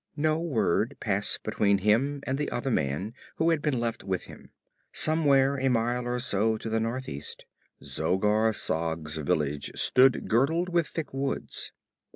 No word passed between him and the other man who had been left with him. Somewhere, a mile or so to the northwest, Zogar Sag's village stood girdled with thick woods.